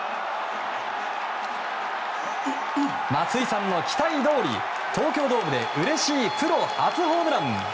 松井さんの期待どおり東京ドームでうれしいプロ初ホームラン！